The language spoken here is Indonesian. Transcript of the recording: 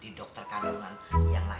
di dokter kandungan yang